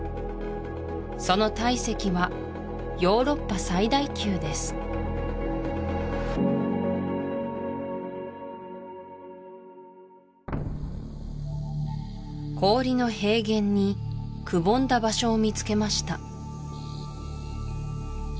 その体積はヨーロッパ最大級です氷の平原にくぼんだ場所を見つけました